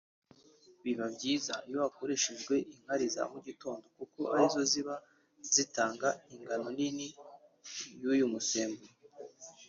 biba byiza iyo hakoreshejwe inkari za mu gitondo kuko arizo ziba zitanga ingano nini y’uyu musemburo